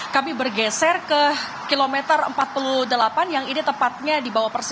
kami bergeser ke kilometer empat puluh delapan yang ini tepatnya di bawah persib